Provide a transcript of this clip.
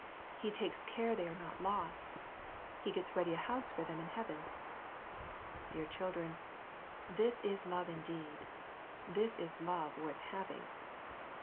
He takes care they are not lost. He gets ready a house for them in heaven. Dear children, this is love indeed; this is love worth having.